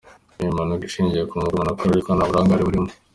Ni impanuka ishingiye ku mwuga umuntu akora ariko nta burangare burimo.